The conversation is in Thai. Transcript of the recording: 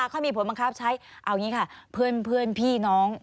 เขามีผลบังคับใช้เอาอย่างนี้ค่ะเพื่อนพี่น้อง